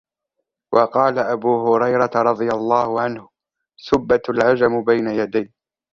وَقَالَ أَبُو هُرَيْرَةَ رَضِيَ اللَّهُ عَنْهُ سُبَّتْ الْعَجَمُ بَيْنَ يَدَيْ